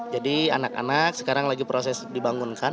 jadi anak anak sekarang lagi proses dibangunkan